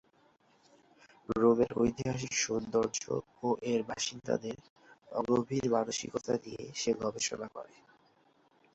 রোমের ঐতিহাসিক সৌন্দর্য ও এর বাসিন্দাদের অগভীর মানসিকতা নিয়ে সে গবেষণা করে।